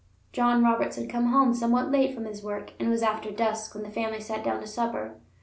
John Roberts had come home somewhat late from his work, and it was after dusk when the family sat down to supper.